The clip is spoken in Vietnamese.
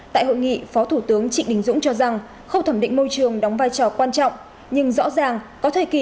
tại hội nghị phó thủ tướng trịnh đình dũng cho rằng khâu thẩm định môi trường đóng vai trò quan trọng nhưng rõ ràng có thời kỳ